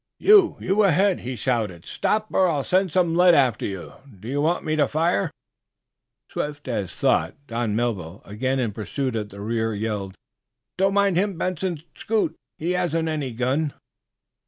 "You! You ahead!" he shouted. "Stop, or I'll send some lead after you. Do you want me to fire?" Swift as thought Don Melville, again in pursuit at the rear, yelled: "Don't mind him, Benson! Scoot! He hasn't any gun."